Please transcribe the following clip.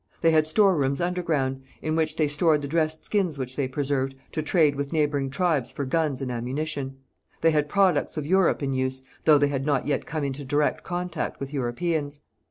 They had storerooms underground in which they stored the dressed skins which they preserved to trade with neighbouring tribes for guns and ammunition; they had products of Europe in use, though they had not yet come into direct contact with Europeans.